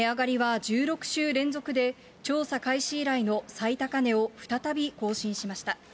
値上がりは１６週連続で調査開始以来の最高値を再び更新しました。